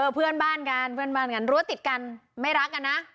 เพื่อนบ้านกันเพื่อนบ้านกันรั้วติดกันไม่รักกันนะ